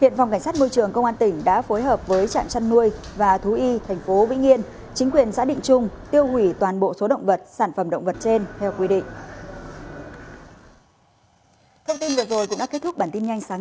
tại xã định trung tp hcm phòng cảnh sát môi trường công an tỉnh kiểm tra phát hiện xe ô tô do nguyễn quang hùng chú tp hcm điều khiển vận chuyển sáu con lợn